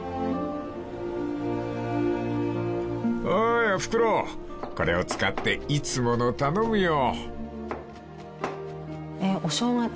［おーいおふくろこれを使っていつもの頼むよ］